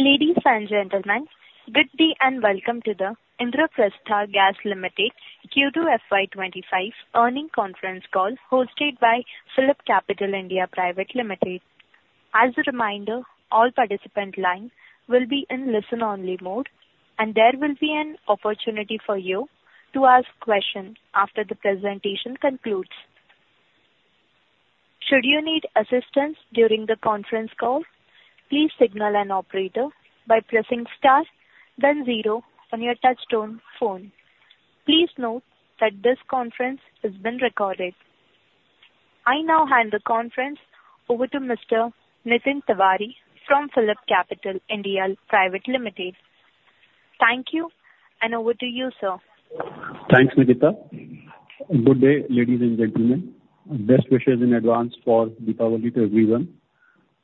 Ladies and gentlemen, good day, and welcome to the Indraprastha Gas Limited Q2 FY 2025 Earnings Conference Call, hosted by PhillipCapital (India) Private Limited. As a reminder, all participant lines will be in listen-only mode, and there will be an opportunity for you to ask questions after the presentation concludes. Should you need assistance during the conference call, please signal an operator by pressing star, then zero on your touchtone phone. Please note that this conference is being recorded. I now hand the conference over to Mr. Nitin Tiwari from PhillipCapital (India) Private Limited. Thank you, and over to you, sir. Thanks, Nikita. Good day, ladies and gentlemen. Best wishes in advance for Diwali to everyone.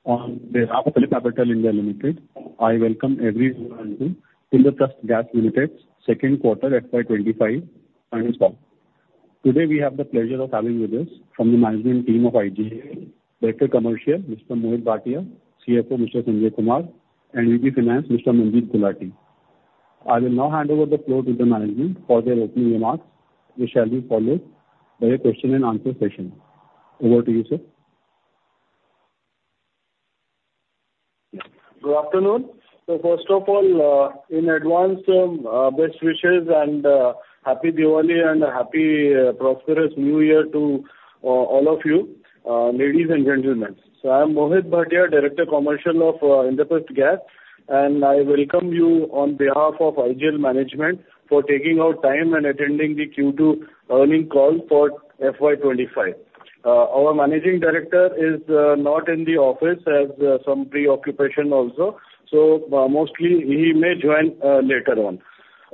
On behalf of PhillipCapital (India) Private Limited, I welcome everyone to Indraprastha Gas Limited's second quarter FY 2025 earnings call. Today, we have the pleasure of having with us from the management team of IGL, Director Commercial, Mr. Mohit Bhatia, CFO, Mr. Sanjay Kumar, and VP of Finance, Mr. Manjeet Gulati. I will now hand over the floor to the management for their opening remarks, which shall be followed by a question and answer session. Over to you, sir. Good afternoon. So first of all, in advance, best wishes and, happy Diwali and a happy, prosperous New Year to, all of you, ladies and gentlemen. So I am Mohit Bhatia, Director, Commercial of, Indraprastha Gas, and I welcome you on behalf of IGL management for taking out time and attending the Q2 earning call for FY 2025. Our Managing Director is, not in the office, has, some preoccupation also, so, mostly he may join, later on.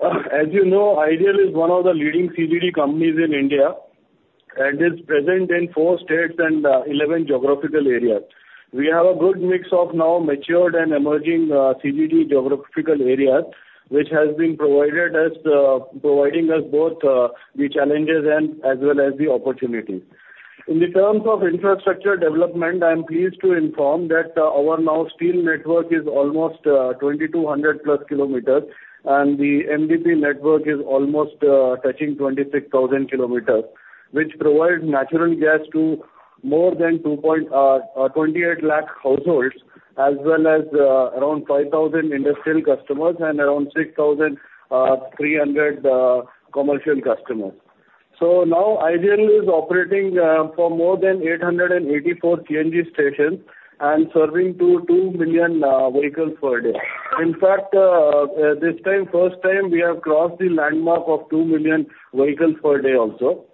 As you know, IGL is one of the leading CGD companies in India and is present in four states and, 11 geographical areas. We have a good mix of now matured and emerging, CGD geographical areas, which has been provided as, providing us both, the challenges and as well as the opportunities. In the terms of infrastructure development, I am pleased to inform that, our now steel network is almost 2,200-plus kilometers, and the MDPE network is almost touching 26,000 kilometers, which provide natural gas to more than 2.28 lakh households, as well as around 5,000 industrial customers and around 6,300 commercial customers. So now IGL is operating for more than 884 CNG stations and serving to 2 million vehicles per day. In fact, this time, first time, we have crossed the landmark of 2 million vehicles per day also.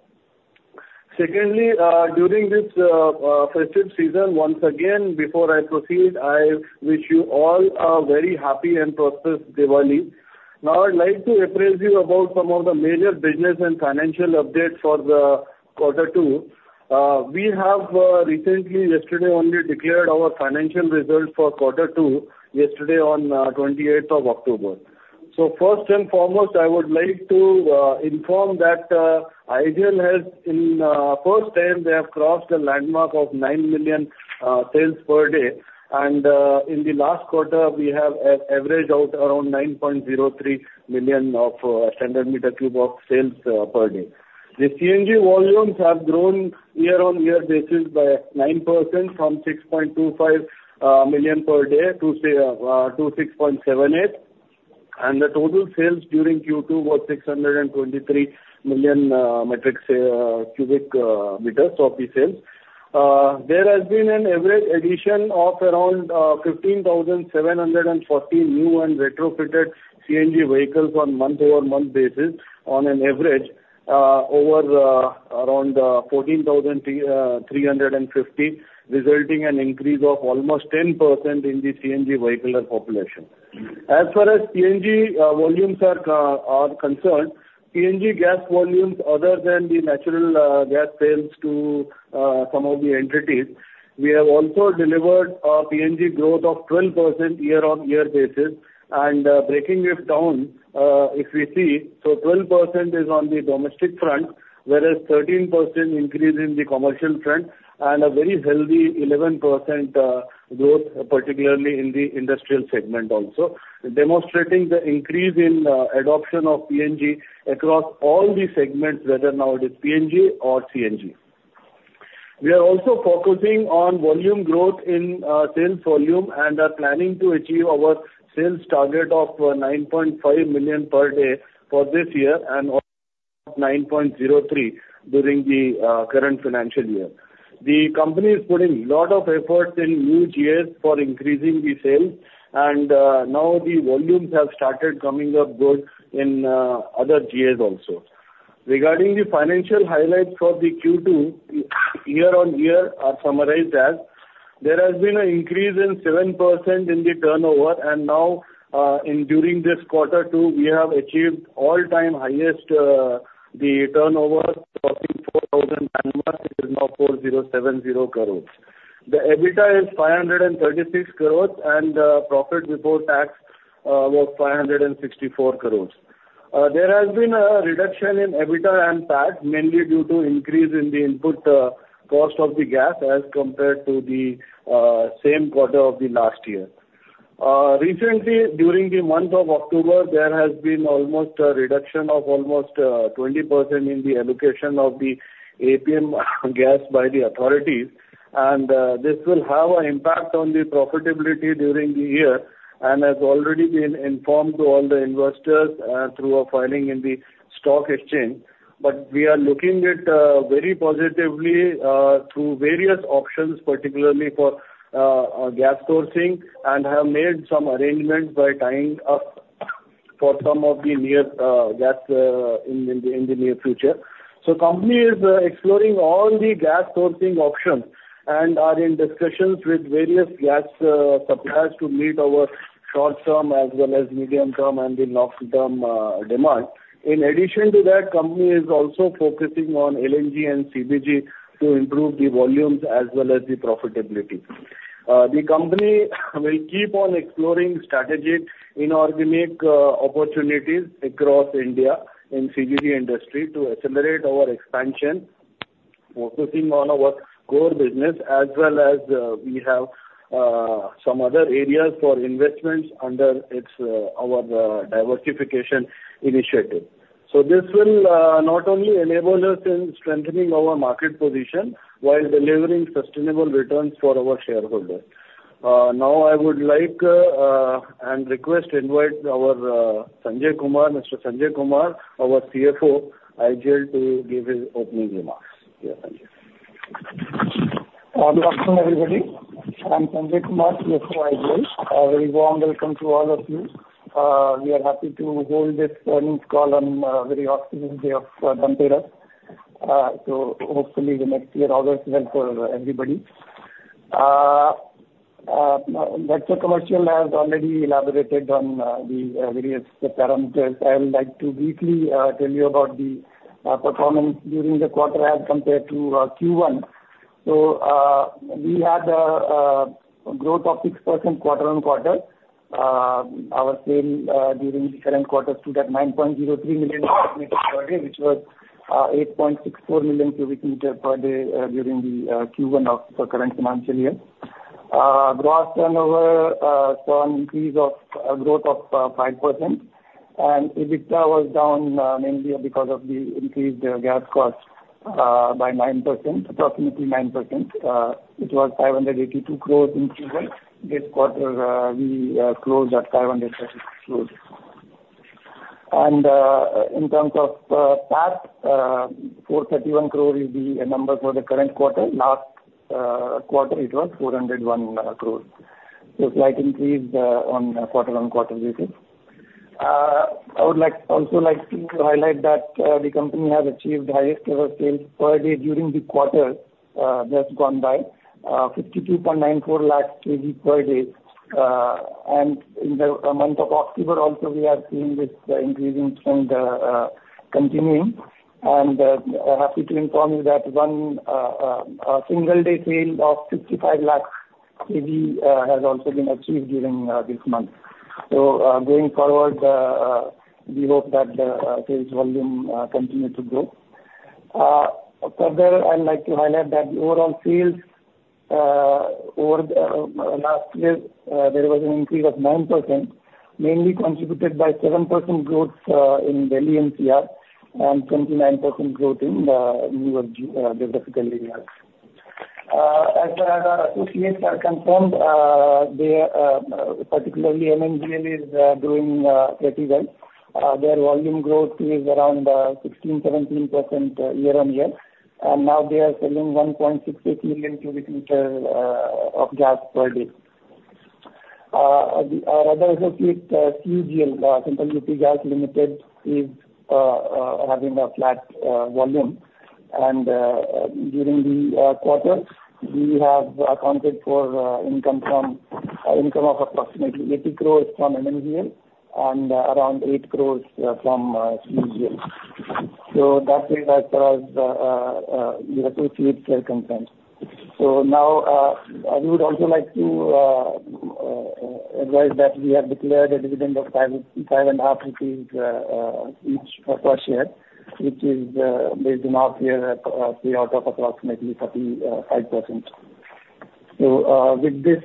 Secondly, during this festive season, once again, before I proceed, I wish you all a very happy and prosperous Diwali. Now, I'd like to apprise you about some of the major business and financial updates for the Quarter Two. We have recently, yesterday only, declared our financial results for Quarter Two, yesterday on twenty-eighth of October. First and foremost, I would like to inform that IGL has for the first time crossed the landmark of nine million sales per day, and in the last quarter, we have averaged around 9.03 million standard cubic meters of sales per day. The CNG volumes have grown year-on-year basis by 9% from 6.25 million per day to 6.78, and the total sales during Q2 was 623 million metric cubic meters of the sales. There has been an average addition of around 15,740 new and retrofitted CNG vehicles on month-over-month basis on an average, over around 14,350, resulting in increase of almost 10% in the CNG vehicular population. As far as PNG volumes are concerned, PNG gas volumes, other than the natural gas sales to some of the entities, we have also delivered a PNG growth of 12% year-on-year basis. And, breaking this down, if we see, so 12% is on the domestic front, whereas 13% increase in the commercial front and a very healthy 11% growth, particularly in the industrial segment also, demonstrating the increase in adoption of PNG across all the segments, whether now it is PNG or CNG. We are also focusing on volume growth in sales volume and are planning to achieve our sales target of 9.5 million per day for this year and 9.03 during the current financial year. The company is putting a lot of effort in new GAs for increasing the sales, and now the volumes have started coming up good in other GAs also. Regarding the financial highlights for the Q2 year-on-year are summarized as: There has been an increase of 7% in the turnover, and now in during this Quarter Two, we have achieved all-time highest the turnover, crossing 4,000 landmark is now 4,070 crores. The EBITDA is 536 crores, and profit before tax was 564 crores. There has been a reduction in EBITDA and PAT, mainly due to increase in the input cost of the gas as compared to the same quarter of the last year. Recently, during the month of October, there has been almost a reduction of almost 20% in the allocation of the APM gas by the authorities, and this will have an impact on the profitability during the year, and has already been informed to all the investors through a filing in the stock exchange. But we are looking at very positively through various options, particularly for gas sourcing, and have made some arrangements by tying up for some of the near gas in the near future. So company is exploring all the gas sourcing options and are in discussions with various gas suppliers to meet our short-term as well as medium-term and the long-term demand. In addition to that, company is also focusing on LNG and CBG to improve the volumes as well as the profitability. The company will keep on exploring strategic inorganic opportunities across India in CGD industry to accelerate our expansion, focusing on our core business as well as we have some other areas for investments under our diversification initiative. So this will not only enable us in strengthening our market position while delivering sustainable returns for our shareholders. Now, I would like and request to invite our Sanjay Kumar, Mr. Sanjay Kumar, our CFO, IGL, to give his opening remarks. Yeah, thank you. Good afternoon, everybody. I'm Sanjay Kumar, CFO, IGL. A very warm welcome to all of you. We are happy to hold this earnings call on very auspicious day of Dhanteras, so hopefully the next year always well for everybody. Director Commercial has already elaborated on the various parameters. I would like to briefly tell you about the performance during the quarter as compared to Q1, so we had a growth of 6% quarter on quarter. Our sale during the current quarter stood at 9.03 million cubic meter per day, which was 8.64 million cubic meter per day during the Q1 of the current financial year. Gross turnover saw an increase of, a growth of, 5%, and EBITDA was down mainly because of the increased gas cost by 9%, approximately 9%. It was 582 crores in Q1. This quarter, we closed at 500 crores. In terms of PAT, 431 crore is the number for the current quarter. Last quarter, it was 401 crores. So slight increase on quarter-on-quarter basis. I would also like to highlight that the company has achieved highest ever sales per day during the quarter that's gone by, 52.94 lakh SCM per day. In the month of October, also, we are seeing this increase in trend continuing. And, I'm happy to inform you that a single day sale of 65 lakh SCM has also been achieved during this month. So, going forward, we hope that the sales volume continue to grow. Further, I'd like to highlight that the overall sales over the last year there was an increase of 9%, mainly contributed by 7% growth in Delhi NCR, and 29% growth in the new difficult areas. As our associates are concerned, they are particularly MNGL is doing pretty well. Their volume growth is around 16%-17% year-on-year, and now they are selling 1.68 million cubic meter of gas per day. Our other associate, CUGL, Central U.P. Gas Limited, is having a flat volume. During the quarter, we have accounted for income of approximately 80 crore from MNGL and around 8 crore from CUGL. So that is as far as the associates are concerned. So now, I would also like to advise that we have declared a dividend of 5.5 rupees per share, which is based on our yearly payout of approximately 35%. With this,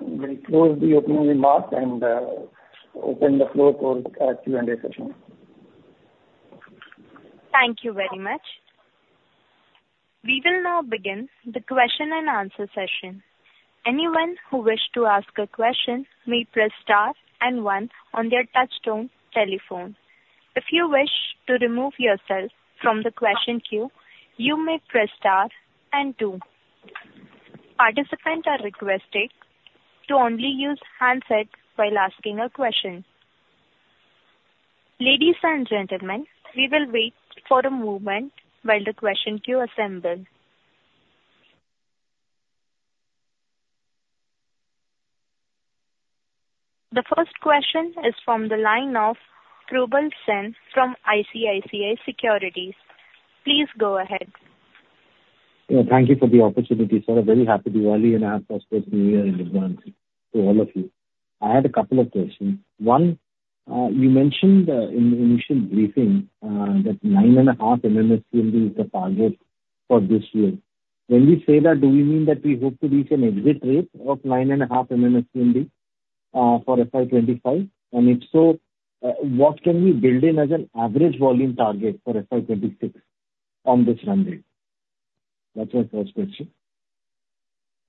we close the opening remarks and open the floor for a Q&A session. Thank you very much. We will now begin the question and answer session. Anyone who wish to ask a question may press star and one on their touchtone telephone. If you wish to remove yourself from the question queue, you may press star and two. Participants are requested to only use handsets while asking a question. Ladies and gentlemen, we will wait for a moment while the question queue assembles. The first question is from the line of Probal Sen from ICICI Securities. Please go ahead. Thank you for the opportunity, sir. Very happy Diwali and a prosperous New Year in advance to all of you. I had a couple of questions. One, you mentioned, in the initial briefing, that nine and a half MMSCMD is the target for this year. When we say that, do we mean that we hope to reach an exit rate of nine and a half MMSCMD, for FY 2025? And if so, what can we build in as an average volume target for FY twenty-six on this run rate? That's my first question.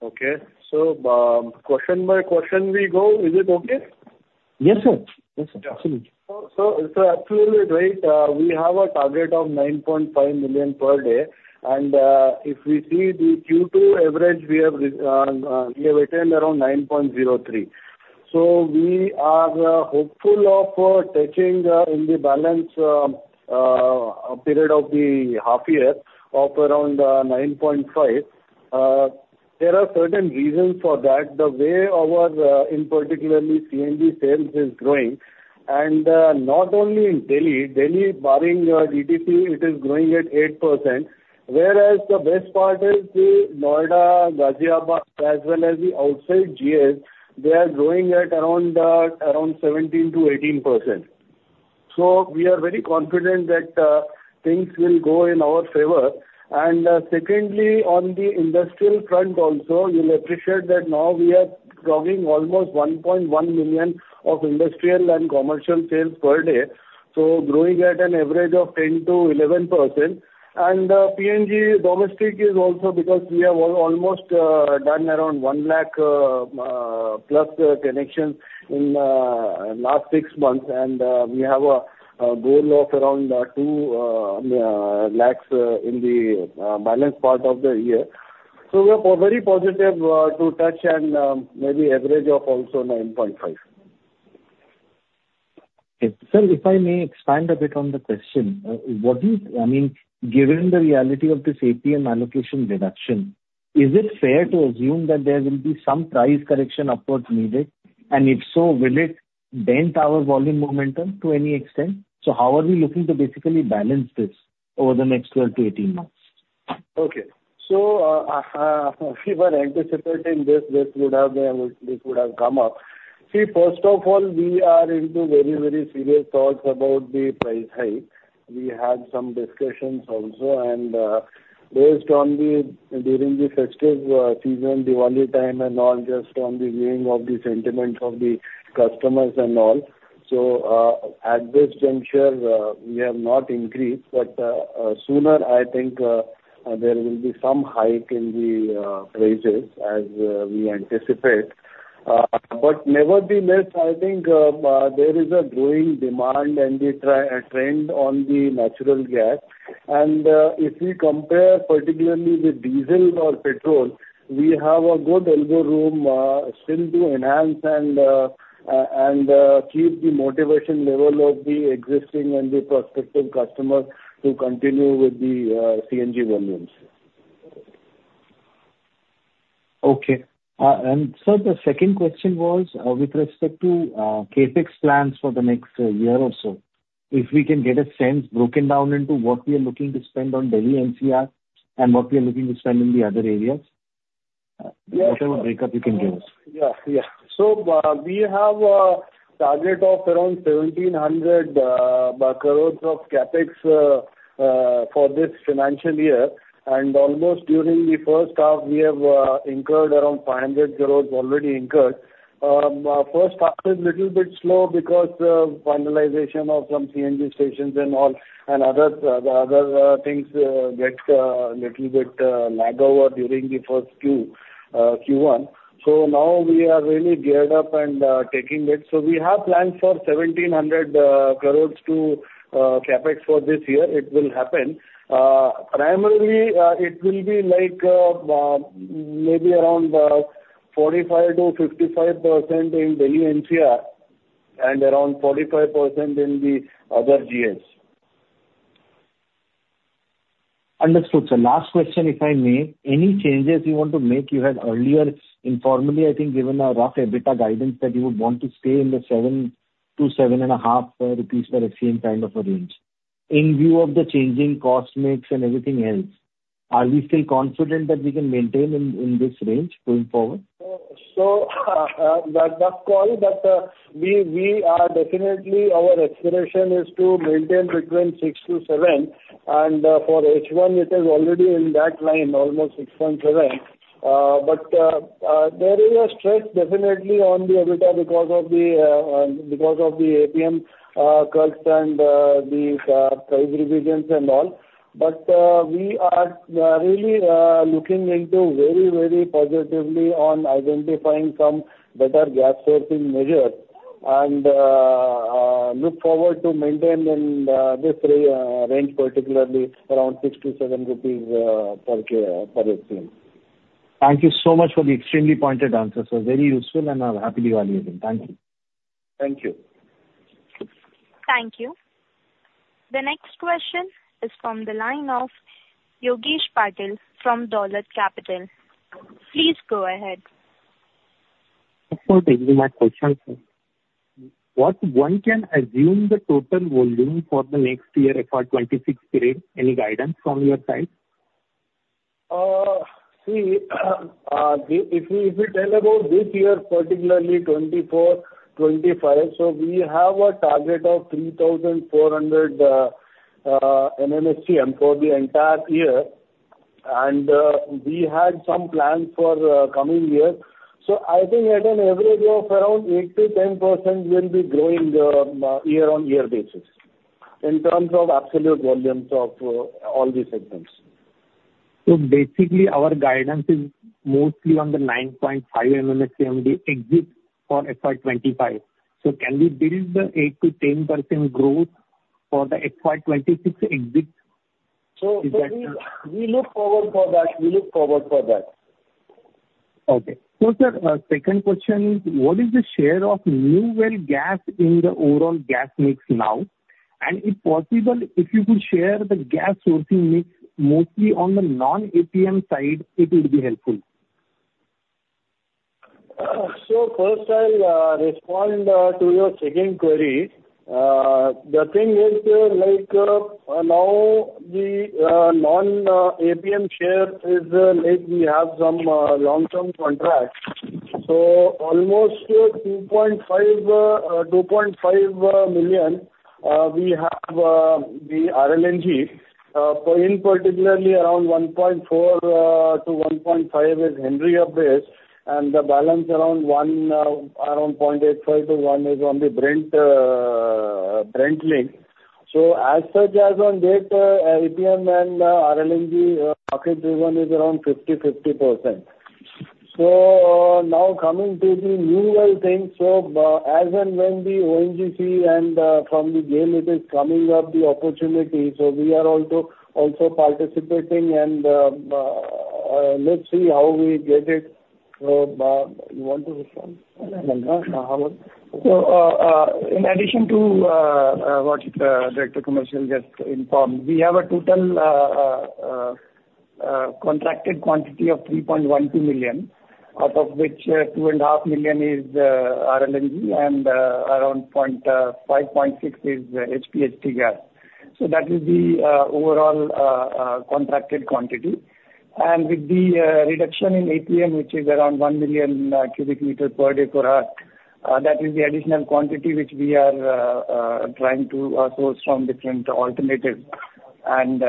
Okay, so question by question we go, is it okay? Yes, sir. Yes, sir. Absolutely. Absolutely right, we have a target of 9.5 million per day, and if we see the Q2 average, we have attained around 9.03. We are hopeful of touching in the balance period of the half year of around 9.5. There are certain reasons for that. The way our particularly CNG sales is growing, and not only in Delhi. Delhi, barring DTC, it is growing at 8%. Whereas the best part is the Noida, Ghaziabad, as well as the outside Delhi, they are growing at around 17%-18%. We are very confident that things will go in our favor. And secondly, on the industrial front also, you'll appreciate that now we are driving almost 1.1 million of industrial and commercial sales per day, so growing at an average of 10%-11%. And PNG domestic is also because we have almost done around one lakh plus connections in last six months, and we have a goal of around two lakhs in the balance part of the year. So we are very positive to touch and maybe average of also 9.5. Sir, if I may expand a bit on the question. What do you, I mean, given the reality of this APM allocation reduction, is it fair to assume that there will be some price correction upwards needed? And if so, will it dent our volume momentum to any extent? So how are we looking to basically balance this over the next 12 to 18 months? Okay. So, we were anticipating this. This would have come up. See, first of all, we are into very, very serious thoughts about the price hike. We had some discussions also, and based on, during the festive season, Diwali time and all, just on the viewing of the sentiments of the customers and all. So, at this juncture, we have not increased, but sooner, I think, there will be some hike in the prices as we anticipate. But nevertheless, I think, there is a growing demand and the trend on the natural gas. If we compare particularly with diesel or petrol, we have a good elbow room still to enhance and keep the motivation level of the existing and the prospective customers to continue with the CNG volumes. Okay, and sir, the second question was, with respect to, CapEx plans for the next year or so, if we can get a sense broken down into what we are looking to spend on Delhi NCR, and what we are looking to spend in the other areas? Yeah. Whatever breakup you can give us. Yeah, yeah. So, we have a target of around 1,700 crores of CapEx for this financial year, and almost during the first half, we have incurred around 500 crores already. First half is little bit slow because finalization of some CNG stations and all, and other, the other, things get little bit lag over during the first Q1. So now we are really geared up and taking it. So we have planned for 1,700 crores to CapEx for this year. It will happen. Primarily, it will be like maybe around 45%-55% in Delhi NCR, and around 45% in the other GS. Understood, sir. Last question, if I may. Any changes you want to make? You had earlier, informally, I think, given a rough EBITDA guidance that you would want to stay in the seven to seven and a half rupees per SCM kind of a range. In view of the changing cost mix and everything else, are we still confident that we can maintain in this range going forward? So, that call, but we are definitely. Our aspiration is to maintain between six to seven, and for H1 it is already in that line, almost six and seven. But there is a stretch definitely on the EBITDA because of the APM curves and the price revisions and all. But we are really looking into very, very positively on identifying some better gas sourcing measures, and look forward to maintain in this range, particularly around six to seven rupees per SCM. Thank you so much for the extremely pointed answers, so very useful, and I'll happily evaluate them. Thank you. Thank you. Thank you. The next question is from the line of Yogesh Patil from Dolat Capital. Please go ahead. Sir, taking my question, sir. What one can assume the total volume for the next year, FY 2026 period, any guidance from your side? See, if we tell about this year, particularly 2024, 2025, so we have a target of 3,400 MMSCM for the entire year. We had some plans for coming year. So I think at an average of around 8%-10%, we'll be growing the year-on-year basis, in terms of absolute volumes of all the segments. So basically, our guidance is mostly on the 9.5 MMSCMD, the exit for FY 2025. So can we build the 8-10% growth for the FY 2026 exit? Is that- We look forward for that. Okay. So, sir, second question is: What is the share of new well gas in the overall gas mix now? And if possible, if you could share the gas sourcing mix, mostly on the non-APM side, it would be helpful. So first, I'll respond to your second query. The thing is, like, now the non-APM share is, like we have some long-term contracts. So almost 2.5 million we have the RLNG. For, in particular, around 1.4 to 1.5 is Henry Hub based, and the balance around one, around 0.85 to 1 is on the Brent-linked. So as such, as on date, APM and RLNG market driven is around 50/50%. So now coming to the new well thing, so as and when the ONGC and from the GAIL it is coming up, the opportunity, so we are also participating. And let's see how we get it. So, you want to respond? So, in addition to what Director Commercial just informed, we have a total contracted quantity of 3.12 million, out of which 2.5 million is RLNG, and around 0.56 is HPHT gas. So that is the overall contracted quantity. And with the reduction in APM, which is around 1 million cubic meter per day for us, that is the additional quantity which we are trying to source from different alternatives. And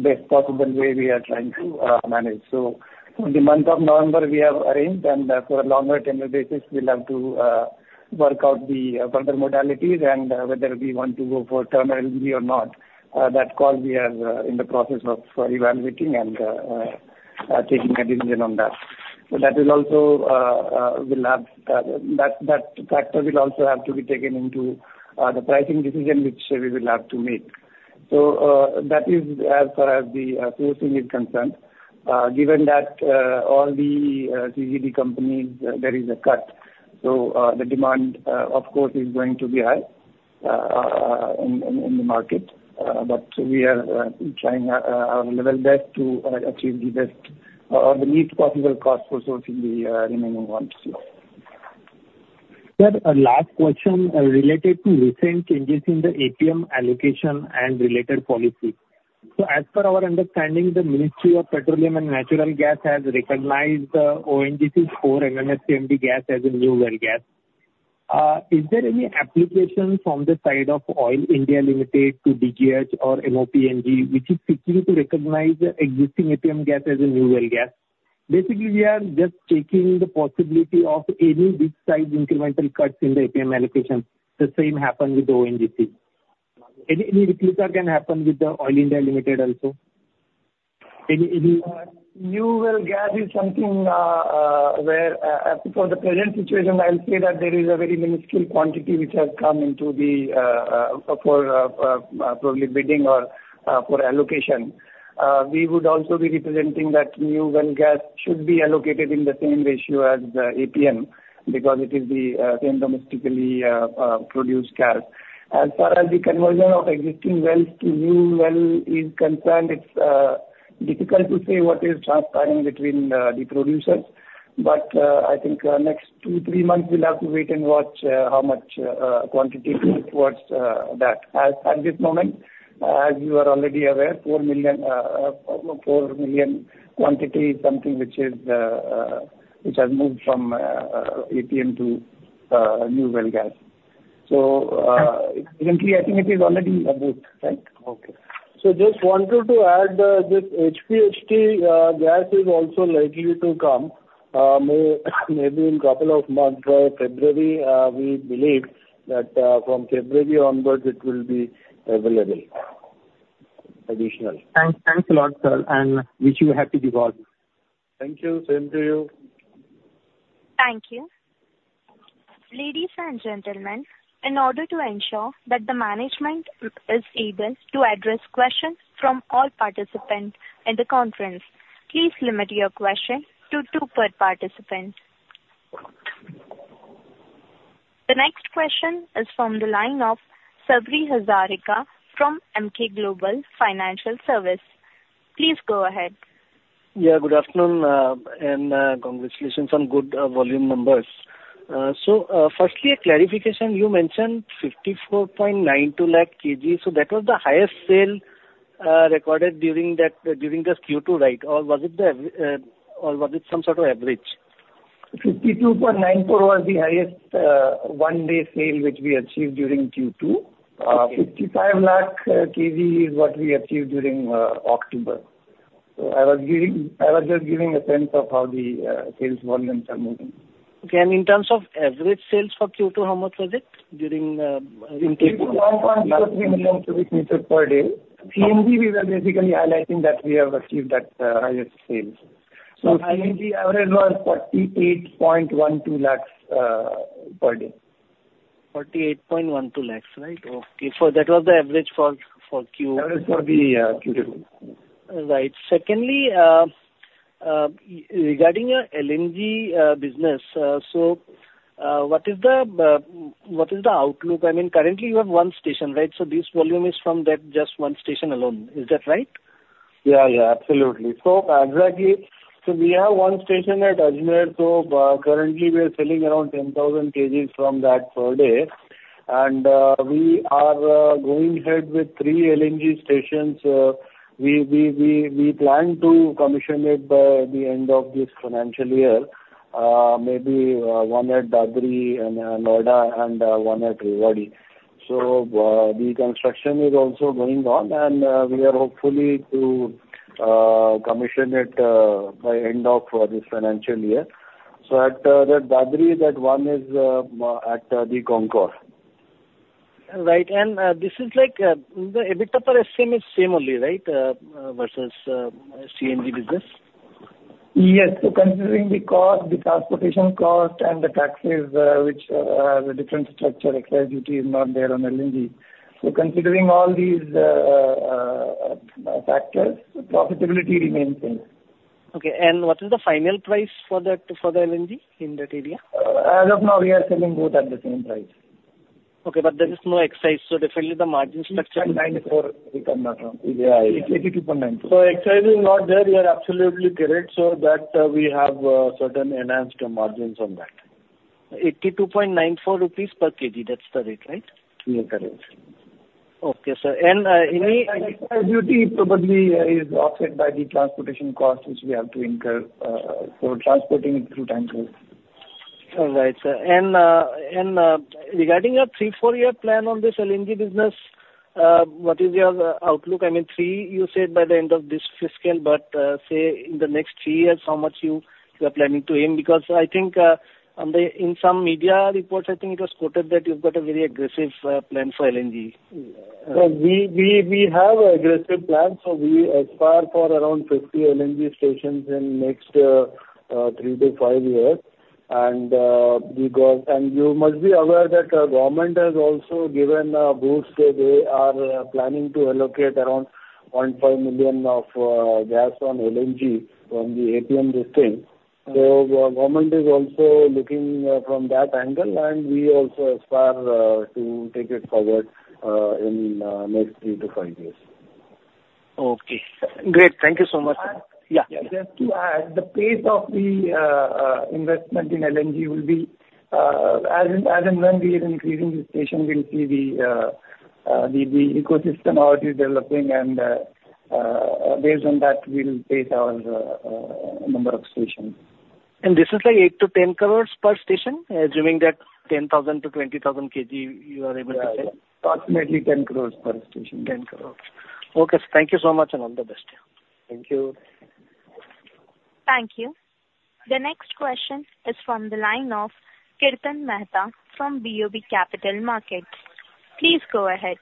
best possible way we are trying to manage. So for the month of November, we have arranged, and for a longer tenure basis, we'll have to work out the further modalities and whether we want to go for terminal three or not. That call we are in the process of evaluating and taking a decision on that. So that will also have that factor will also have to be taken into the pricing decision, which we will have to make. So that is as far as the sourcing is concerned. Given that all the CGD companies, there is a cut, so the demand of course is going to be high in the market. But we are trying our level best to achieve the best, or the least possible cost for sourcing the remaining ones. Sir, a last question, related to recent changes in the APM allocation and related policy. So as per our understanding, the Ministry of Petroleum and Natural Gas has recognized ONGC's four MMSCMD gas as a new well gas. Is there any application from the side of Oil India Limited to DGH or MOPNG, which is seeking to recognize the existing APM gas as a new well gas? Basically, we are just checking the possibility of any big-size incremental cuts in the APM allocation. The same happened with ONGC. Any replica can happen with the Oil India Limited also? Any- New well gas is something where, for the present situation, I'll say that there is a very minuscule quantity which has come into the probably bidding or for allocation. We would also be representing that new well gas should be allocated in the same ratio as the APM, because it is the same domestically produced gas. As far as the conversion of existing wells to new well is concerned, it's difficult to say what is transpiring between the producers, but I think next two, three months, we'll have to wait and watch how much quantity towards that. At this moment, as you are already aware, four million quantity, something which has moved from APM to new well gas. So, currently, I think it is already approved. Right? Okay. Just wanted to add, this HPHT gas is also likely to come, maybe in couple of months or February. We believe that from February onwards, it will be available, additionally. Thanks. Thanks a lot, sir, and wish you a happy Diwali. Thank you. Same to you. Thank you. Ladies and gentlemen, in order to ensure that the management is able to address questions from all participants in the conference, please limit your questions to two per participant. The next question is from the line of Sabri Hazarika from Emkay Global Financial Services. Please go ahead. Yeah, good afternoon, and congratulations on good volume numbers. So, firstly, a clarification. You mentioned 54.92 lakh kg, so that was the highest sale recorded during this Q2, right? Or was it some sort of average? 52.94 was the highest one-day sale, which we achieved during Q2. Okay. Fifty-five lakh kg is what we achieved during October. So I was just giving a sense of how the sales volumes are moving. Okay, and in terms of average sales for Q2, how much was it during, in Q2? 1.23 million cubic meters per day. CNG, we were basically highlighting that we have achieved that highest sales, so CNG average was 48.12 lakhs per day. 48.12 lakhs, right? Okay. So that was the average for Q- Average for the Q2. Right. Secondly, regarding your LNG business, so what is the outlook? I mean, currently, you have one station, right? So this volume is from that just one station alone. Is that right? Yeah, yeah, absolutely. So exactly, so we have one station at Ajmer, so currently we are selling around 10,000 kgs from that per day, and we are going ahead with three LNG stations. We plan to commission it by the end of this financial year, maybe one at Dadri and Noida, and one at Rewari. So the construction is also going on, and we are hopefully to commission it by end of this financial year. So at that Dadri, that one is at the CONCOR. Right. And, this is like, the EBITDA per SM is same only, right? Versus CNG business. Yes. So considering the cost, the transportation cost and the taxes, which are a different structure, excise duty is not there on LNG. So considering all these factors, profitability remains same. Okay, and what is the final price for that, for the LNG in that area? As of now, we are selling both at the same price. Okay, but there is no excise, so definitely the margin structure. 82.94. Yeah. 82.94. So excise is not there, you are absolutely correct, so that, we have certain enhanced margins on that. 82.94 rupees per kg, that's the rate, right? Yeah, correct. Okay, sir. And any- Duty probably is offset by the transportation cost, which we have to incur for transporting it through tankers. All right, sir. And regarding your three, four-year plan on this LNG business, what is your outlook? I mean, three, you said by the end of this fiscal, but say, in the next three years, how much you are planning to aim? Because I think on the... In some media reports, I think it was quoted that you've got a very aggressive plan for LNG. We have aggressive plans, so we aspire for around 50 LNG stations in next three to five years. You must be aware that government has also given boost. They are planning to allocate around 0.5 million of gas on LNG from the APM listing. The government is also looking from that angle, and we also aspire to take it forward in next three to five years. Okay, great. Thank you so much. And- Yeah. Just to add, the pace of the investment in LNG will be as and when we are increasing the station. We'll see the ecosystem how it is developing, and based on that, we will pace our number of stations. This is like 8-10 crores per station, assuming that 10,000-20,000 kg you are able to sell? Yeah. Approximately INR 10 crores per station. 10 crores. Okay, thank you so much, and all the best. Thank you. Thank you. The next question is from the line of Kirtan Mehta from BOB Capital Markets. Please go ahead.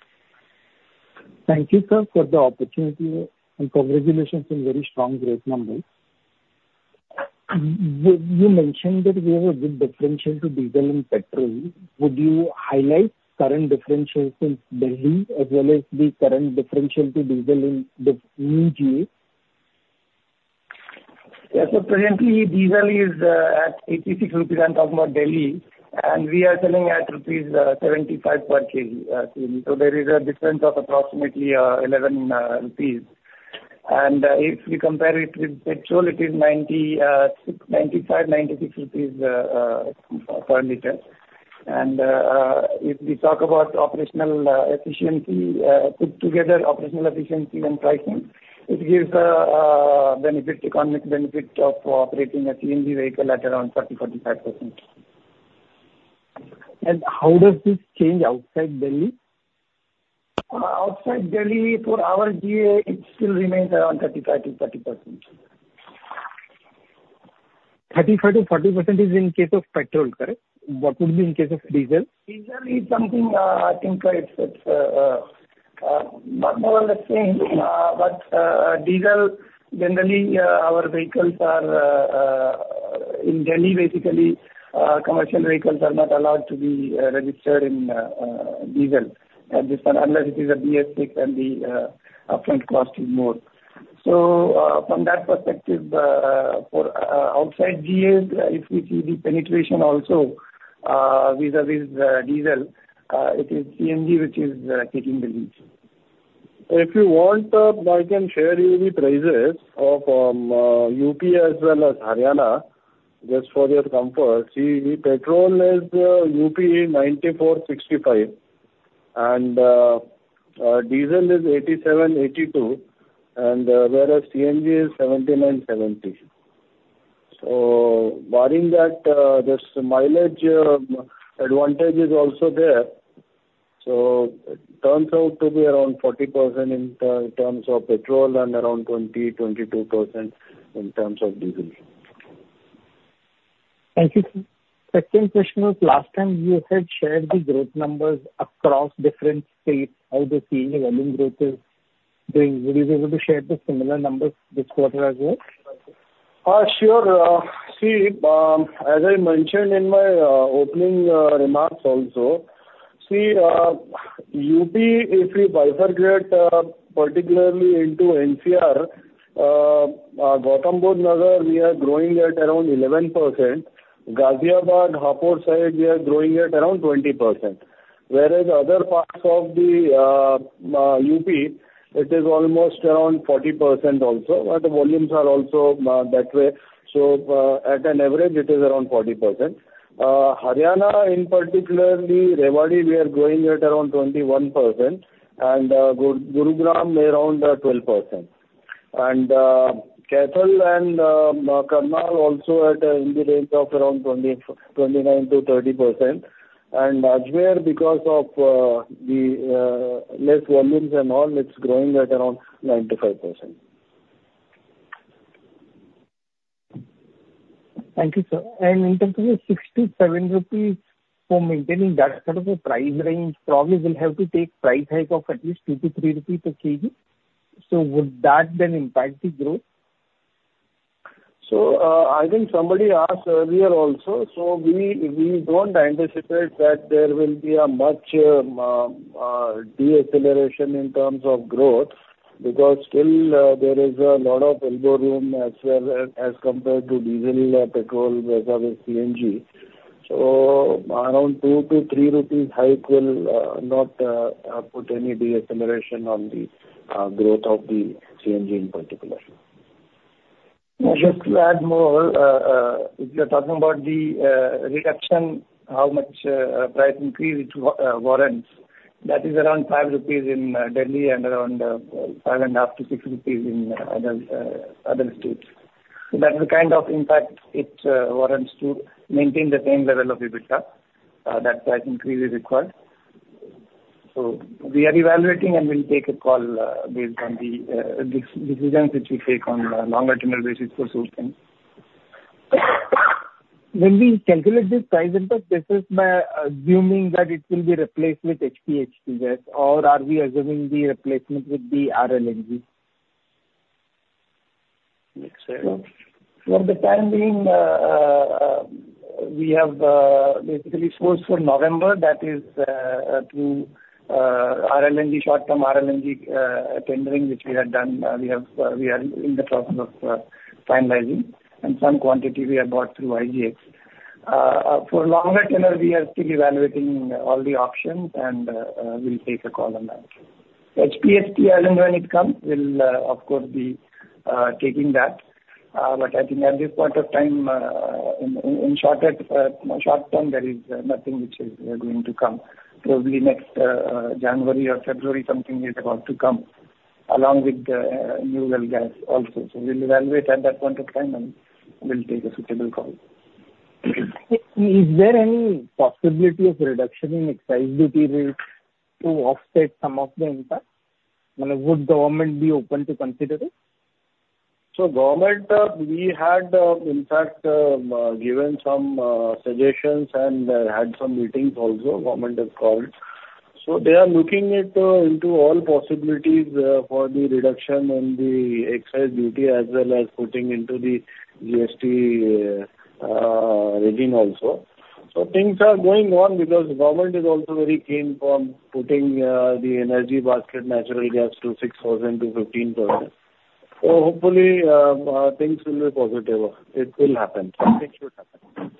Thank you, sir, for the opportunity, and congratulations on very strong growth numbers. You mentioned that we have a good differential to diesel and petrol. Would you highlight current differential to Delhi, as well as the current differential to diesel in the NG? Yeah. Presently, diesel is at 86 rupees. I'm talking about Delhi, and we are selling at rupees 75 per kg, so there is a difference of approximately 11 rupees. If we compare it with petrol, it is 95-96 rupees per liter. If we talk about operational efficiency put together operational efficiency and pricing, it gives economic benefit of operating a CNG vehicle at around 30%-45%. How does this change outside Delhi? Outside Delhi, for our GA, it still remains around 35%-40%. 35%-40% is in case of petrol, correct? What would be in case of diesel? Diesel is something, I think, it's more or less the same. But diesel, generally, our vehicles are in Delhi. Basically, commercial vehicles are not allowed to be registered in diesel, unless it is a BS6 and the upfront cost is more. So, from that perspective, for outside GA, if we see the penetration also vis-a-vis diesel, it is CNG which is taking the lead. If you want, I can share you the prices of UP as well as Haryana, just for your comfort. See, the petrol is UP 94.65 and diesel is 87.82, and whereas CNG is 79.70. So barring that, this mileage advantage is also there, so it turns out to be around 40% in terms of petrol and around 20-22% in terms of diesel. Thank you, sir. Second question is, last time you had shared the growth numbers across different states, how they see the volume growth is doing. Would you be able to share the similar numbers this quarter as well? Sure. See, as I mentioned in my opening remarks also, see, UP, if we bifurcate, particularly into NCR, Gautam Buddh Nagar, we are growing at around 11%. Ghaziabad, Hapur side, we are growing at around 20%, whereas other parts of the UP, it is almost around 40% also, but the volumes are also that way. So, at an average it is around 40%. Haryana, in particular, Rewari, we are growing at around 21%, and Gurugram around 12%. Kaithal and Karnal also at, in the range of around 29-30%. Ajmer, because of the less volumes and all, it's growing at around 95%. Thank you, sir. And in terms of the 67 rupees, for maintaining that sort of a price range, probably we'll have to take price hike of at least 2-3 rupees a kg. So would that then impact the growth? So, I think somebody asked earlier also, so we don't anticipate that there will be a much deceleration in terms of growth, because still there is a lot of elbow room as well as compared to diesel or petrol vis-a-vis CNG. So around 2-3 rupees hike will not put any deceleration on the growth of the CNG in particular. Just to add more, if you're talking about the reduction, how much price increase it warrants, that is around 5 rupees in Delhi and around 5.5 to 6 rupees in other states. So that's the kind of impact it warrants to maintain the same level of EBITDA, that price increase is required. So we are evaluating, and we'll take a call based on the decisions which we take on a longer-term basis for sourcing. When we calculate this price impact, this is by assuming that it will be replaced with HPHT gas, or are we assuming the replacement with the RLNG? Next year. For the time being, we have basically sourced for November, that is, through RLNG, short-term RLNG tendering, which we had done. We are in the process of finalizing, and some quantity we have bought through IGX. For longer term, we are still evaluating all the options, and we'll take a call on that. HPHT, and when it comes, we'll of course be taking that. But I think at this point of time, in short term, there is nothing which is going to come. Probably next January or February, something is about to come, along with the new well gas also. So we'll evaluate at that point of time, and we'll take a suitable call. Is there any possibility of reduction in excise duty rates to offset some of the impact? I mean, would government be open to consider it? So, government, we had in fact given some suggestions and had some meetings also. Government has called. So they are looking into all possibilities for the reduction in the excise duty as well as putting into the GST regime also. So things are going on because government is also very keen on putting the energy market natural gas to 6%-15%. So hopefully things will be positive. It will happen. Something should happen.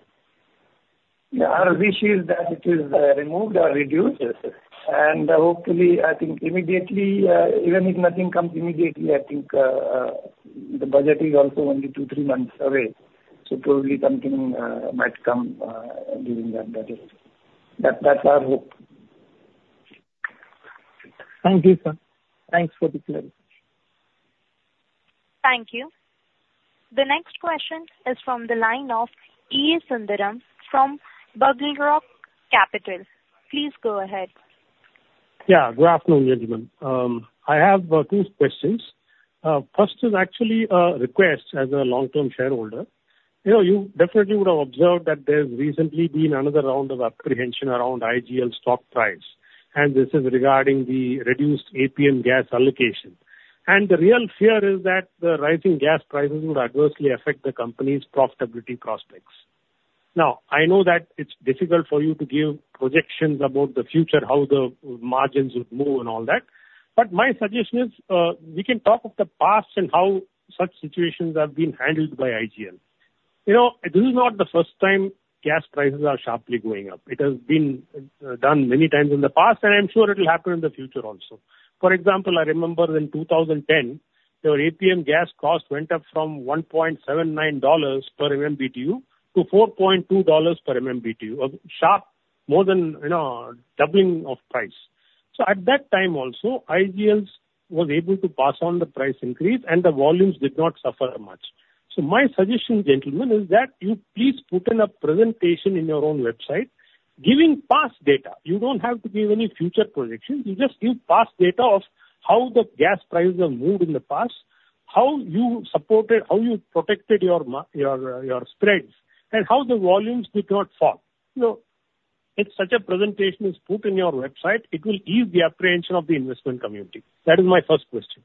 Yeah, our wish is that it is removed or reduced. Yes, yes. And, hopefully, I think immediately, even if nothing comes immediately, I think, the budget is also only two, three months away, so probably something might come during that budget. That, that's our hope. Thank you, sir. Thanks for the clarity. Thank you. The next question is from the line of E.A. Sundaram from BugleRock Capital. Please go ahead. Yeah, good afternoon, gentlemen. I have two questions. First is actually a request as a long-term shareholder. You know, you definitely would have observed that there's recently been another round of apprehension around IGL stock price, and this is regarding the reduced APM gas allocation. And the real fear is that the rising gas prices would adversely affect the company's profitability prospects. Now, I know that it's difficult for you to give projections about the future, how the margins would move and all that, but my suggestion is, we can talk of the past and how such situations have been handled by IGL. You know, this is not the first time gas prices are sharply going up. It has been done many times in the past, and I'm sure it will happen in the future also. For example, I remember in two thousand and ten, your APM gas cost went up from $1.79 per MMBtu to $4.2 per MMBtu, a sharp more than, you know, doubling of price. So at that time also, IGL was able to pass on the price increase, and the volumes did not suffer much. So my suggestion, gentlemen, is that you please put in a presentation in your own website, giving past data. You don't have to give any future projections. You just give past data of how the gas prices have moved in the past, how you supported, how you protected your spreads, and how the volumes did not fall. You know, if such a presentation is put in your website, it will ease the apprehension of the investment community. That is my first question.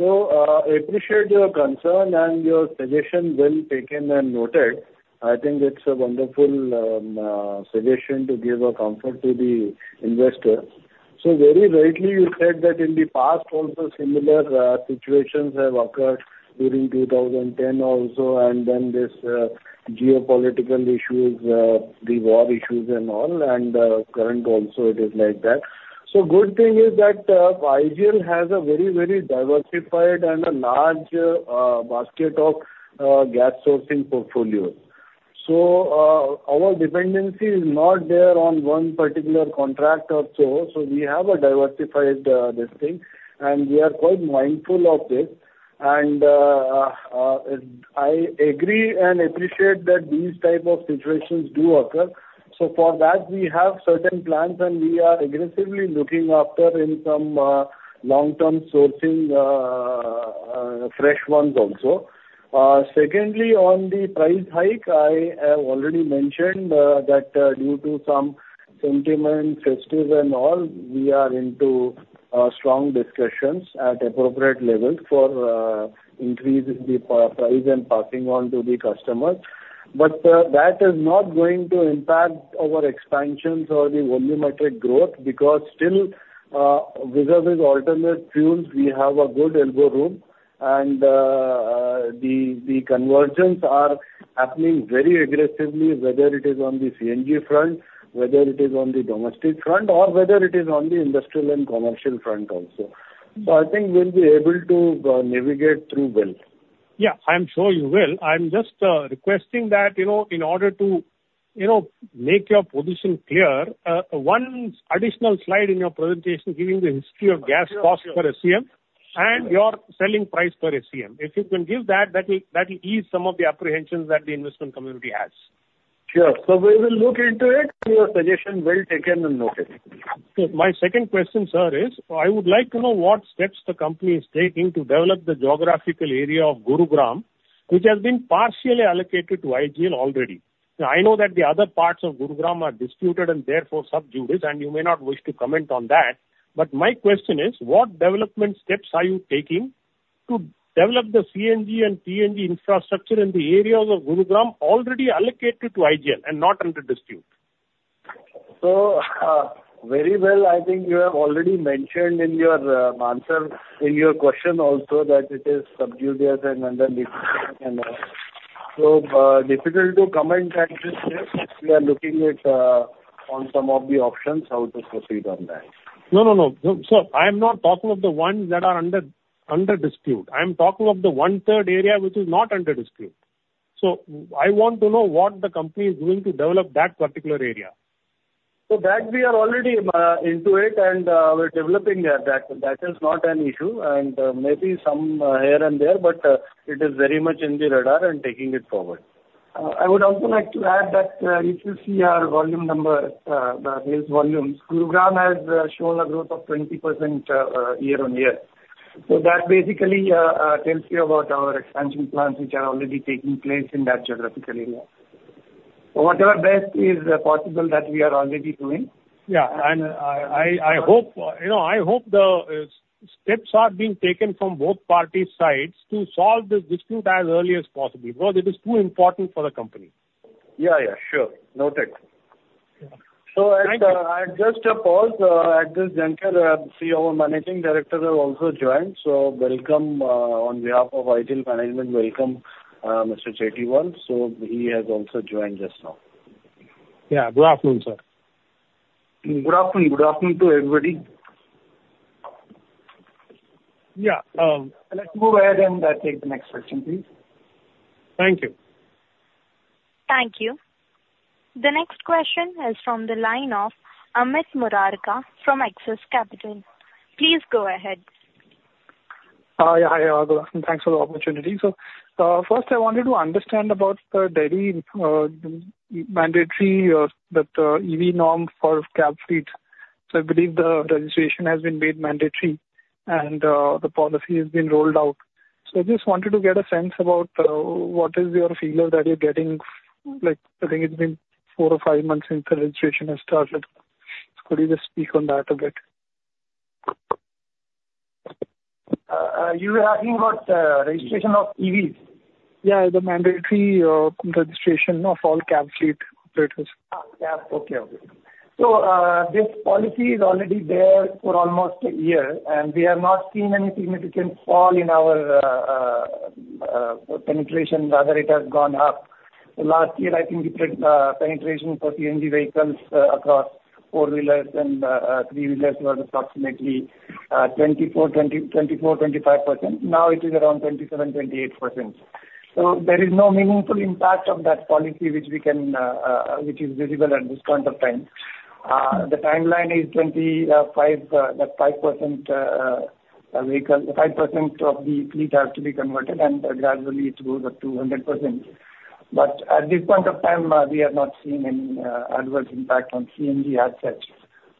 I appreciate your concern, and your suggestion well taken and noted. I think it's a wonderful suggestion to give a comfort to the investor. Very rightly, you said that in the past also similar situations have occurred during two thousand and ten also, and then this geopolitical issues, the war issues and all, and current also it is like that. Good thing is that IGL has a very, very diversified and a large basket of gas sourcing portfolio. Our dependency is not there on one particular contract or so. We have a diversified this thing, and we are quite mindful of this. I agree and appreciate that these type of situations do occur. So for that, we have certain plans, and we are aggressively looking after in some long-term sourcing, fresh ones also. Secondly, on the price hike, I have already mentioned that due to some sentiment, festivals and all, we are into strong discussions at appropriate levels for increasing the price and passing on to the customer. But that is not going to impact our expansions or the volumetric growth, because still with these alternate fuels, we have a good elbow room. And the conversions are happening very aggressively, whether it is on the CNG front, whether it is on the domestic front, or whether it is on the industrial and commercial front also. So I think we'll be able to navigate through well. Yeah, I'm sure you will. I'm just requesting that, you know, in order to, you know, make your position clear, one additional slide in your presentation giving the history of gas cost per SCM- Sure. And your selling price per SCM. If you can give that, that will ease some of the apprehensions that the investment community has. Sure. So we will look into it. Your suggestion, well taken and noted. Okay. My second question, sir, is I would like to know what steps the company is taking to develop the geographical area of Gurugram, which has been partially allocated to IGL already. Now, I know that the other parts of Gurugram are disputed and therefore sub judice, and you may not wish to comment on that. But my question is: What development steps are you taking to develop the CNG and PNG infrastructure in the areas of Gurugram already allocated to IGL and not under dispute? So, very well, I think you have already mentioned in your answer, in your question also, that it is sub judice and under dispute and all. So, difficult to comment at this stage. We are looking at, on some of the options, how to proceed on that. No, no, no. So I'm not talking of the ones that are under, under dispute. I'm talking of the one-third area, which is not under dispute. So I want to know what the company is doing to develop that particular area. So that we are already into it, and we're developing that. That is not an issue, and maybe some here and there, but it is very much in the radar and taking it forward. I would also like to add that, if you see our volume number, the sales volumes, Gurugram has shown a growth of 20% year-on-year. So that basically tells you about our expansion plans, which are already taking place in that geographical area. So whatever best is possible, that we are already doing. Yeah, and I hope, you know, I hope the steps are being taken from both parties' sides to solve this dispute as early as possible, because it is too important for the company. Yeah, yeah, sure. Noted. Thank you. So, I just pause at this juncture. See, our managing director have also joined. So welcome, on behalf of IGL management, welcome, Mr. Chatiwal. So he has also joined just now. Yeah, good afternoon, sir. Good afternoon. Good afternoon to everybody. Yeah, um- Let's move ahead and take the next question, please. Thank you. Thank you. The next question is from the line of Amit Murarka from Axis Capital. Please go ahead. Yeah, hi, good afternoon. Thanks for the opportunity. So first I wanted to understand about the Delhi mandatory EV norm for cab fleet. So I believe the registration has been made mandatory, and the policy has been rolled out. So I just wanted to get a sense about what feelers are you getting? Like, I think it's been four or five months since the registration has started. So could you just speak on that a bit? Have you got registration of EVs? Yeah, the mandatory registration of all cab fleet operators. Yeah. Okay. So, this policy is already there for almost a year, and we have not seen any significant fall in our penetration, rather it has gone up. Last year, I think the penetration for CNG vehicles across four-wheelers and three-wheelers was approximately 24-25%. Now it is around 27-28%. So there is no meaningful impact of that policy which we can which is visible at this point of time. The timeline is 25, that 5% of the fleet has to be converted, and gradually it goes up to 100%. But at this point of time, we have not seen any adverse impact on CNG as such.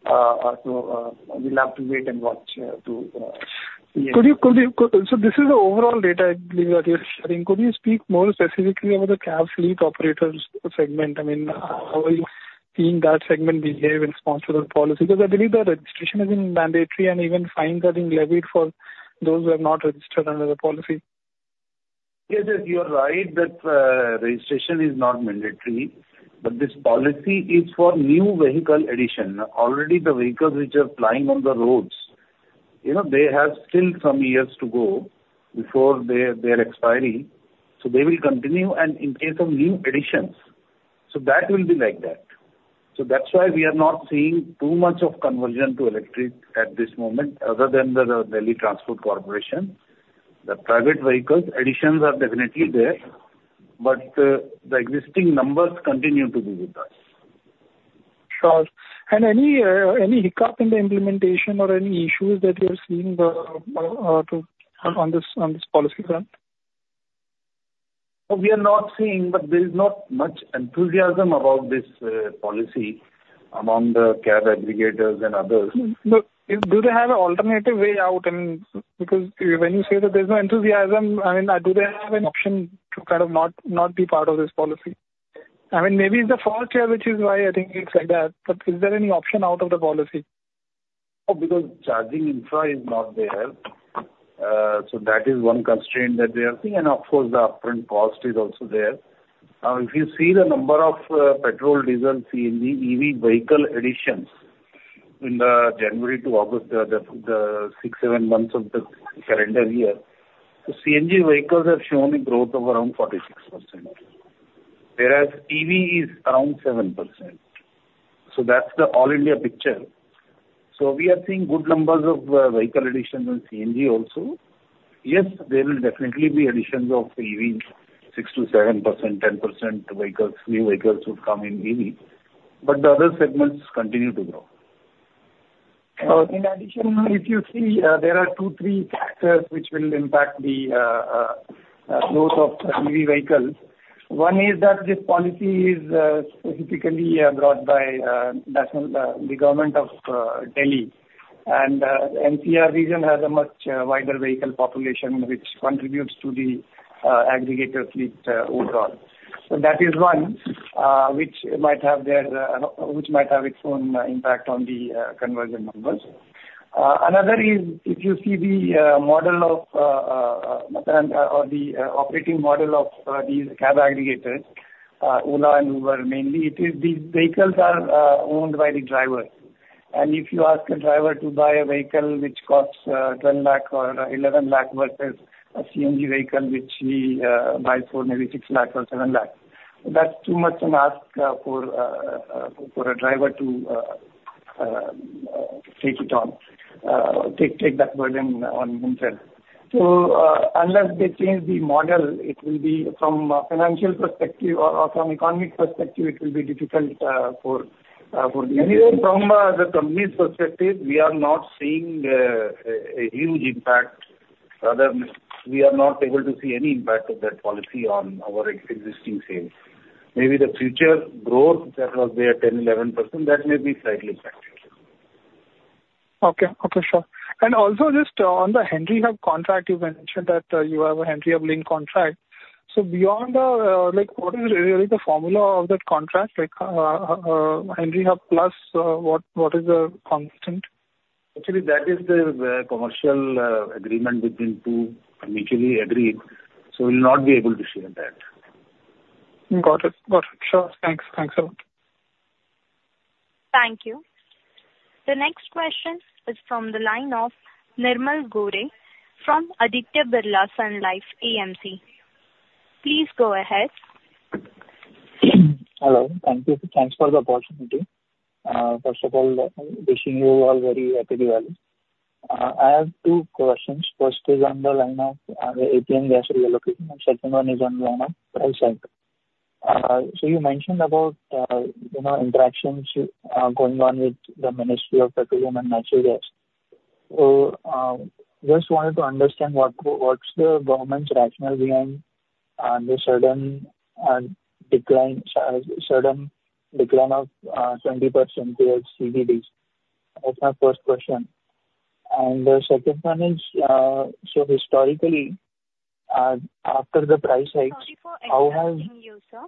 So, we'll have to wait and watch, yes. So this is the overall data, I believe, that you're sharing. Could you speak more specifically about the cab fleet operators segment? I mean, how are you seeing that segment behave in response to the policy? Because I believe the registration has been mandatory and even fines are being levied for those who have not registered under the policy. Yes, yes, you are right that registration is not mandatory, but this policy is for new vehicle addition. Already the vehicles which are plying on the roads, you know, they have still some years to go before their expiry, so they will continue, and in case of new additions, so that will be like that. So that's why we are not seeing too much of conversion to electric at this moment, other than the Delhi Transport Corporation. The private vehicles, additions are definitely there, but the existing numbers continue to be with us. Sure. And any hiccup in the implementation or any issues that you're seeing on this policy front? We are not seeing, but there is not much enthusiasm about this policy among the cab aggregators and others. Do they have an alternative way out? Because when you say that there's no enthusiasm, I mean, do they have an option to kind of not be part of this policy? I mean, maybe it's the first year, which is why I think it's like that, but is there any option out of the policy? Oh, because charging infra is not there. So that is one constraint that they are seeing. And of course, the upfront cost is also there. If you see the number of petrol, diesel, CNG, EV vehicle additions in the January to August, the six, seven months of the calendar year, the CNG vehicles have shown a growth of around 46%, whereas EV is around 7%. So that's the all India picture. So we are seeing good numbers of vehicle additions on CNG also. Yes, there will definitely be additions of EV, 6%-7%, 10% vehicles, new vehicles would come in EV, but the other segments continue to grow. In addition, if you see, there are two, three factors which will impact the growth of the EV vehicles. One is that this policy is specifically brought by the Government of NCT of Delhi. NCR region has a much wider vehicle population, which contributes to the aggregator fleet overall. So that is one which might have its own impact on the conversion numbers. Another is, if you see the model of the or the operating model of these cab aggregators, Ola and Uber mainly, it is these vehicles are owned by the driver. And if you ask a driver to buy a vehicle which costs ten lakh or eleven lakh versus a CNG vehicle, which he buys for maybe six lakh or seven lakh, that's too much to ask for a driver to take it on, take that burden on himself. So unless they change the model, it will be from a financial perspective or from economic perspective, it will be difficult for them. Anyway, from the company's perspective, we are not seeing a huge impact. Rather, we are not able to see any impact of that policy on our existing sales. Maybe the future growth that was there, 10%-11%, that may be slightly impacted. Okay. Okay, sure. And also just on the Henry Hub contract, you mentioned that, you have a Henry Hub link contract. So beyond the, like, what is really the formula of that contract? Like, Henry Hub plus, what, what is the constant? Actually, that is the commercial agreement between two mutually agreed, so we'll not be able to share that. Got it. Got it. Sure. Thanks. Thanks a lot. Thank you. The next question is from the line of Nirmal Ghorawat from Aditya Birla Sun Life AMC. Please go ahead. Hello, thank you. Thanks for the opportunity. First of all, wishing you all very Happy Diwali. I have two questions. First is on the line of APM gas allocation, and second one is on the line of price hike. So you mentioned about, you know, interactions going on with the Ministry of Petroleum and Natural Gas. So just wanted to understand what, what's the government's rationale behind the sudden decline of 20% to CGDs? That's my first question. And the second one is, so historically, after the price hikes, how has- Sorry for interrupting you, sir.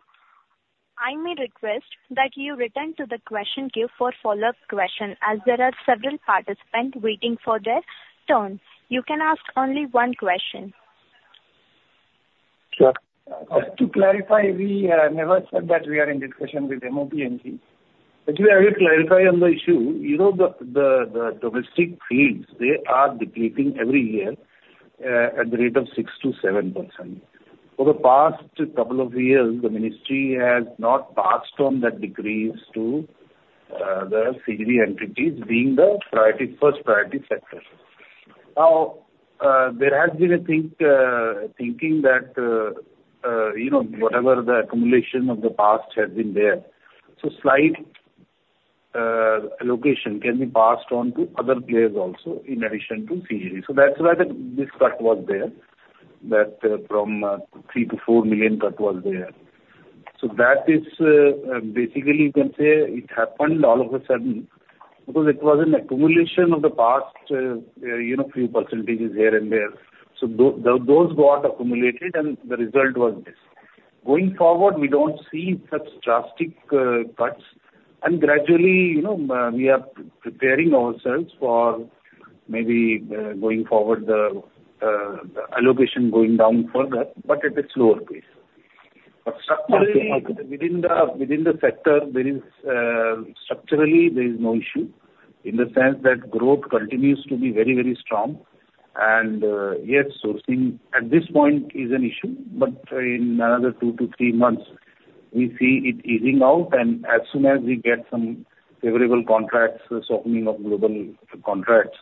I may request that you return to the question queue for follow-up question, as there are several participants waiting for their turn. You can ask only one question. Sure. To clarify, we never said that we are in discussion with MoPNG. But to clarify on the issue, you know, the domestic fields, they are depleting every year at the rate of 6%-7%. For the past couple of years, the ministry has not passed on that decrease to the CGD entities, being the priority, first priority sector. Now, there has been thinking that, you know, whatever the accumulation of the past has been there, so slight allocation can be passed on to other players also, in addition to CGD. So that's why this cut was there, that from 3-4 million cut was there. So that is basically you can say it happened all of a sudden, because it was an accumulation of the past, you know, few percentages here and there. So those got accumulated, and the result was this. Going forward, we don't see such drastic cuts, and gradually, you know, we are preparing ourselves for maybe going forward, the allocation going down further, but at a slower pace. But structurally, within the sector, there is no issue, in the sense that growth continues to be very, very strong, and yes, sourcing at this point is an issue, but in another two to three months, we see it easing out, and as soon as we get some favorable contracts, softening of global contracts,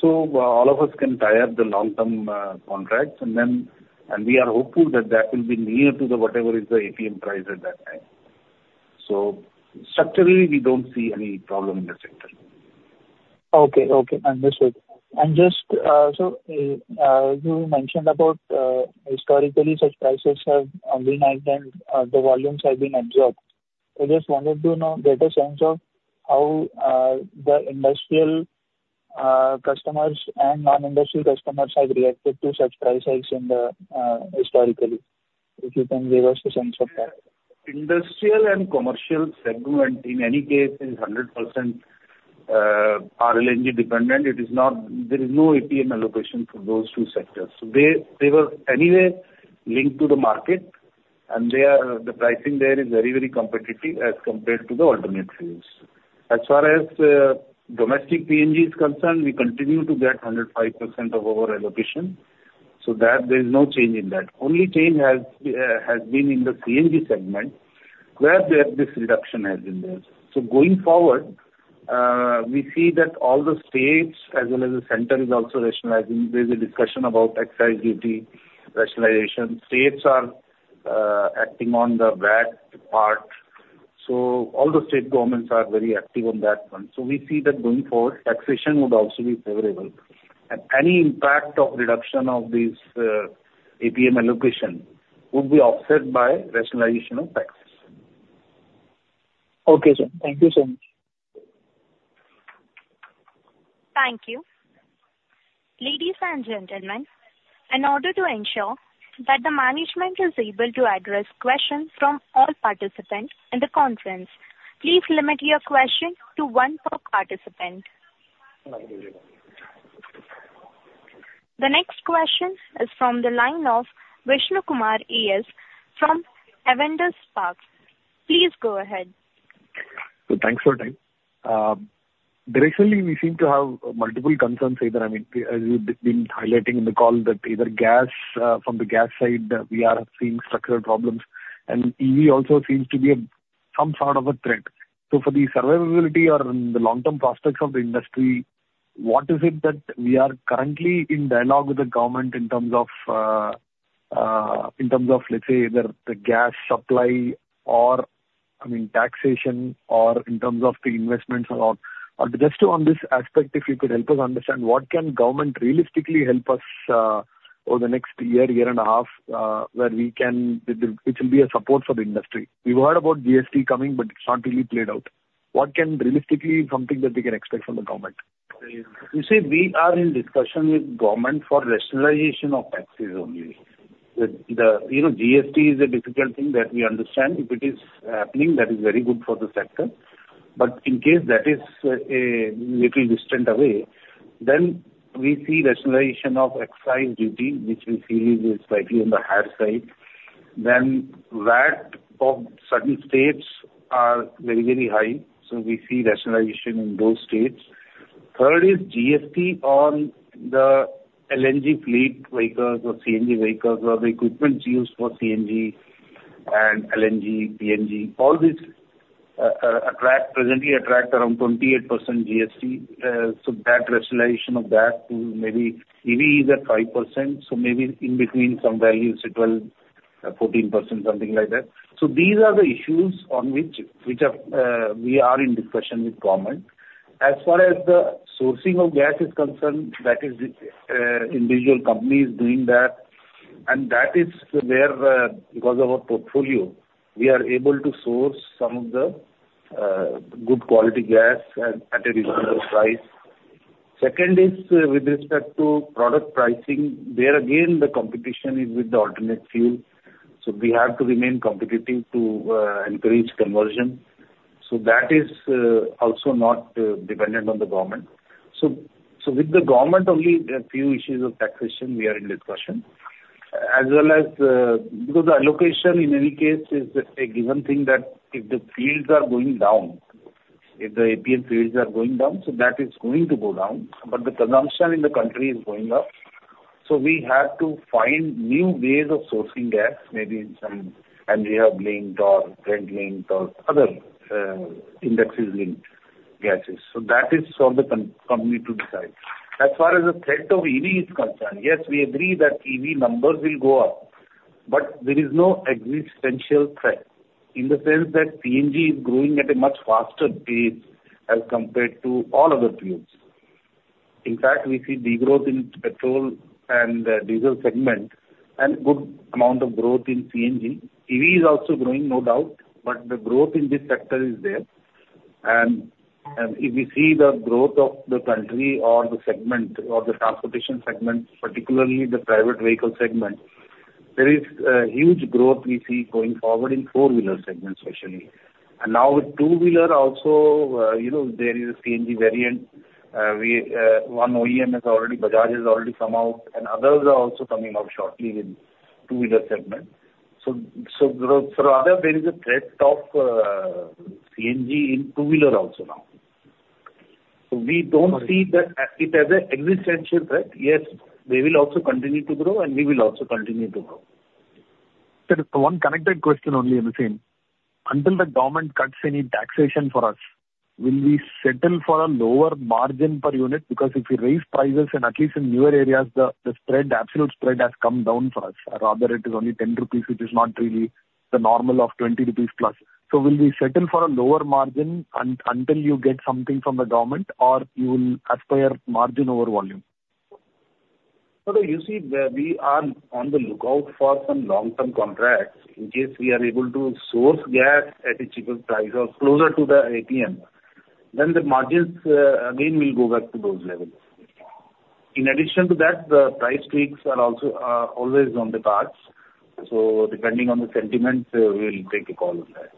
so all of us can tie up the long-term contracts, and then. And we are hopeful that that will be near to the whatever is the APM price at that time. So structurally, we don't see any problem in the sector. Okay. Okay, understood. And just, so, you mentioned about, historically, such prices have only been, the volumes have been absorbed. I just wanted to, you know, get a sense of how, the industrial, customers and non-industrial customers have reacted to such price hikes in the, historically, if you can give us a sense of that. Industrial and commercial segment, in any case, is 100% RLNG dependent. It is not. There is no APM allocation for those two sectors. So they were anyway linked to the market, and they are, the pricing there is very, very competitive as compared to the alternate fuels. As far as domestic PNG is concerned, we continue to get 105% of our allocation, so that there is no change in that. Only change has been in the CNG segment, where this reduction has been there. So going forward, we see that all the states, as well as the center, is also rationalizing. There's a discussion about excise duty rationalization. States are acting on the VAT part, so all the state governments are very active on that one. So we see that going forward, taxation would also be favorable, and any impact of reduction of these APM allocation would be offset by rationalization of taxes. Okay, sir. Thank you so much. Thank you. Ladies and gentlemen, in order to ensure that the management is able to address questions from all participants in the conference, please limit your question to one per participant. The next question is from the line of Vishnu Kumar A.S. from Avendus Spark. Please go ahead. So thanks for your time. Recently, we seem to have multiple concerns, either, I mean, as you've been highlighting in the call, that either gas from the gas side, we are seeing structural problems, and EV also seems to be some sort of a threat. So for the survivability or the long-term prospects of the industry, what is it that we are currently in dialogue with the government in terms of in terms of, let's say, either the gas supply or, I mean, taxation or in terms of the investments or. Just on this aspect, if you could help us understand, what can government realistically help us over the next year, year and a half, where we can it will be a support for the industry? We've heard about GST coming, but it's not really played out. What can we realistically expect from the government? You see, we are in discussion with government for rationalization of taxes only. The you know, GST is a difficult thing that we understand. If it is happening, that is very good for the sector. But in case that is a little distant away, then we see rationalization of excise duty, which we feel is slightly on the higher side. Then VAT of certain states are very, very high, so we see rationalization in those states. Third is GST on the LNG fleet vehicles or CNG vehicles or the equipment used for CNG and LNG, PNG. All these presently attract around 28% GST, so that rationalization of that to maybe is at 5%, so maybe in between some values, at 12, 14%, something like that. So these are the issues on which we are in discussion with government. As far as the sourcing of gas is concerned, that is individual companies doing that, and that is where because of our portfolio, we are able to source some of the good quality gas at a reasonable price. Second is with respect to product pricing, there again, the competition is with the alternate fuel, so we have to remain competitive to encourage conversion. So that is also not dependent on the government. So with the government, only a few issues of taxation we are in discussion. As well as, because the allocation in any case is a given thing, that if the fields are going down, if the APM fields are going down, so that is going to go down, but the consumption in the country is going up. So we have to find new ways of sourcing gas, maybe in some Henry Hub-linked or Brent-linked or other, indexes linked gases. So that is for the company to decide. As far as the threat of EV is concerned, yes, we agree that EV numbers will go up, but there is no existential threat in the sense that CNG is growing at a much faster pace as compared to all other fuels. In fact, we see degrowth in petrol and diesel segment and good amount of growth in CNG. EV is also growing, no doubt, but the growth in this sector is there. If we see the growth of the country or the segment or the transportation segment, particularly the private vehicle segment, there is a huge growth we see going forward in four-wheeler segment, especially. And now with two-wheeler also, you know, there is a CNG variant. We, one OEM has already, Bajaj, has already come out, and others are also coming out shortly with two-wheeler segment. Rather, there is a threat of CNG in two-wheeler also now. We don't see that it as an existential threat. Yes, they will also continue to grow, and we will also continue to grow. Sir, one connected question only in the same. Until the government cuts any taxation for us, will we settle for a lower margin per unit? Because if we raise prices, and at least in newer areas, the spread, the absolute spread has come down for us. Rather, it is only 10 rupees, which is not really the normal of 20 rupees plus. So will we settle for a lower margin until you get something from the government, or you will aspire margin over volume? So you see, we are on the lookout for some long-term contracts in case we are able to source gas at a cheaper price or closer to the APM, then the margins, again, will go back to those levels. In addition to that, the price hikes are also always on the cards, so depending on the sentiment, we'll take a call on that.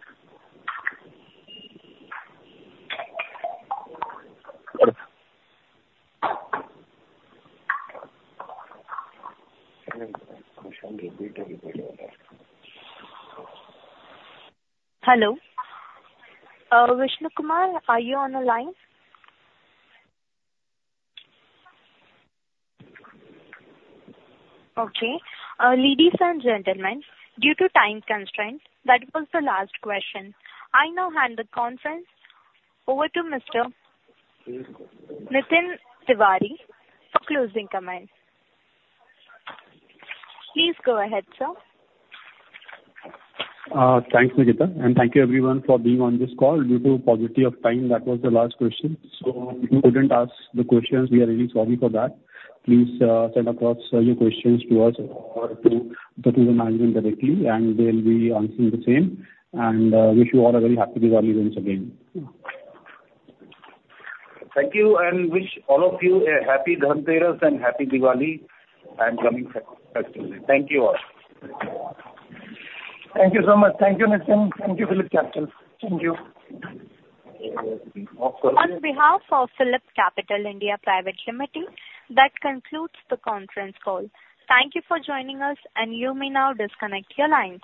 Hello? Vishnu Kumar, are you on the line? Okay, ladies and gentlemen, due to time constraints, that was the last question. I now hand the conference over to Mr. Nitin Tiwari for closing comments. Please go ahead, sir. Thanks, Nikita, and thank you, everyone, for being on this call. Due to scarcity of time, that was the last question. So if you couldn't ask the questions, we are really sorry for that. Please, send across your questions to us or to the team management directly, and they'll be answering the same, and wish you all a very happy Diwali once again. Thank you, and wish all of you a Happy Dhanteras and Happy Diwali and coming festivals. Thank you all. Thank you so much. Thank you, Nitin. Thank you, PhillipCapital. Thank you. On behalf of PhillipCapital (India) Private Limited, that concludes the conference call. Thank you for joining us, and you may now disconnect your lines.